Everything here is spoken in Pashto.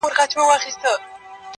سيدې يې نورو دې څيښلي او اوبه پاتې دي.